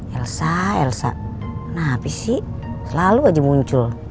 elsa elsa napi sih selalu aja muncul